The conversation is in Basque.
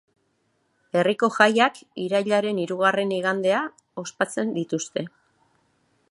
Herriko jaiak irailaren hirugarren igandea ospatzen dituzte.